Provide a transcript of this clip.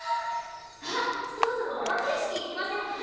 あっそろそろおばけやしきいきませんか？